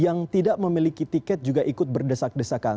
yang tidak memiliki tiket juga ikut berdesak desakan